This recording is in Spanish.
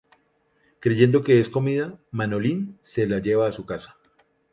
Creyendo que es comida, Manolín se la lleva a su casa.